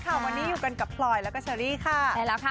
ข้าวแม่นี้อยู่กันกับปล่อยแล้วก็เฉอรี่ค่ะแหละแล้วค่ะ